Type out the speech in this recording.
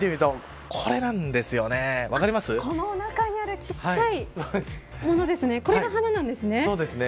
この中にあるちっちゃいこれが花なんですね。